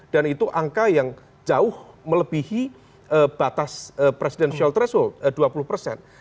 dan itu angka yang jauh melebihi batas presidential threshold dua puluh persen